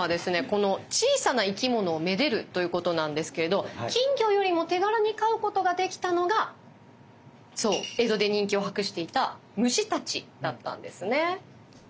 この「小さな生きものを愛でる」ということなんですけど金魚よりも手軽に飼うことができたのがそう江戸で人気を博していた虫たちだったんですね。